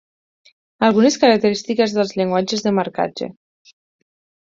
Algunes característiques dels llenguatges de marcatge.